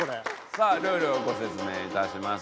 さあルールをご説明いたします。